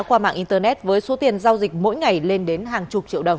qua mạng internet với số tiền giao dịch mỗi ngày lên đến hàng chục triệu đồng